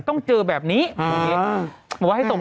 ต้องคอยระวัง